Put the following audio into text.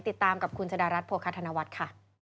ติดตามกับคุณชะดารัฐโภคธนวัฒน์ค่ะ